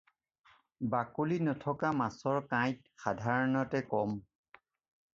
বাকলি নথকা মাছৰ কাঁইট সাধাৰণতে কম।